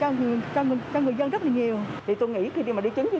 bằng những thế kiến khác như